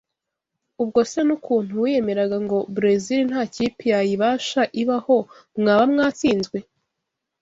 Ubwose n’ukuntu wiyemeraga ngo Brazil nta kipe yayibasha ibaho mwaba mwatsinzwe?